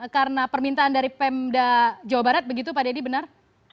karena permintaan dari pemda jawa barat begitu pak deddy benar